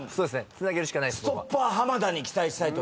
つなげるしかないっすそこは。